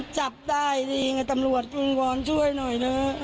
จับได้สิตำรวจมึงก่อนช่วยหน่อยนะ